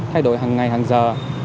thay đổi hằng ngày hằng giờ